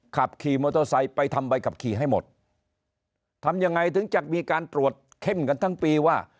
ขับขี่มอเตอร์ไซค์ไปทำใบขับขี่ให้หมดทำยังไงถึงจะมีการตรวจเข้มกันทั้งปีว่า